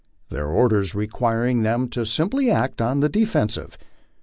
Their orders required them to simply act on the defensive.